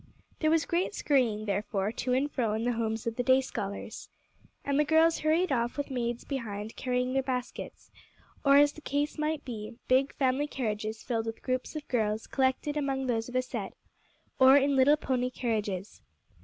There was great scurrying, therefore, to and fro in the homes of the day scholars. And the girls hurried off with maids behind carrying their baskets; or, as the case might be, big family carriages filled with groups of girls collected among those of a set; or in little pony carriages.